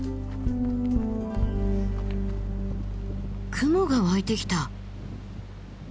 雲が湧いてきた。